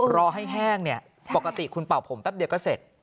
รอให้แห้งเนี่ยปกติคุณเป่าผมแป๊บเดียวก็เสร็จ